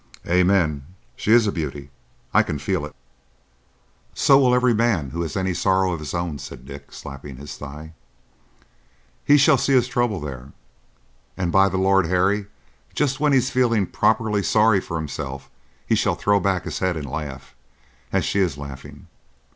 "Amen! She is a beauty. I can feel it." "So will every man who has any sorrow of his own," said Dick, slapping his thigh. "He shall see his trouble there, and, by the Lord Harry, just when he's feeling properly sorry for himself he shall throw back his head and laugh,—as she is laughing.